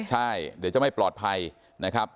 ใช่เดี๋ยวจะไม่ปลอดภัยนะครับ